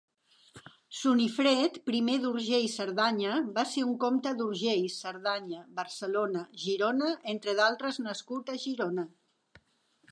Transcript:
Sunifred primer d'Urgell-Cerdanya va ser un comte d'Urgell, Cerdanya, Barcelona, Girona entre d'altres nascut a Girona.